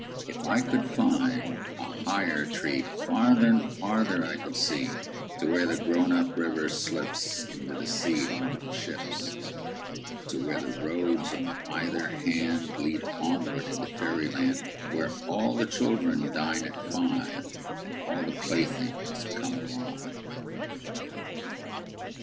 If I could find a higher treeFarther and farther I should see, To where the grown up river slipsInto the sea among the ships. To where the roads on either handLead onward into fairy land, Where all the children dine at five, And all the playthings come alive.